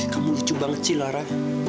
kamu lucu banget sih lara